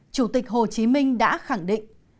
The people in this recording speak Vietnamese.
chủ tịch hồ chí minh đã khẳng định